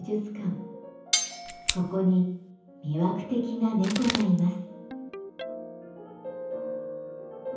ここに魅惑的な猫がいます。